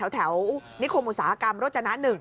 นิคมอุตสาหกรรมรถจนะ๑